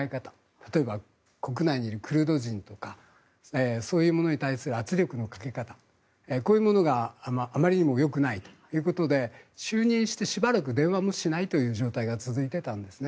例えば、国内にいるクルド人とかそういうものに対する圧力のかけ方こういうものがあまりにもよくないということで就任してしばらく電話もしないという状態が続いていたんですね。